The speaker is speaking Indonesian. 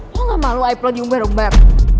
lo gak malu aib lo diumbar umbar